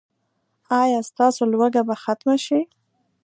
ایا ستاسو لوږه به ختمه شي؟